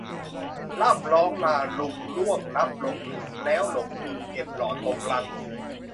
ร่ำร้องลาลุงล่วงลับลงหลุมแล้วหลงลืมเก็บหลอดลงลัง